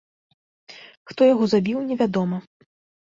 Хто яго забіў, невядома.